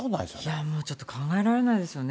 いやー、もう、ちょっと考えられないですよね。